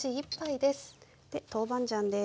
で豆板です。